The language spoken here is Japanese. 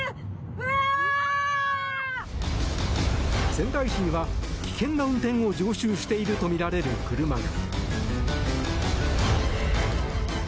仙台市には、危険な運転を常習しているとみられる車が。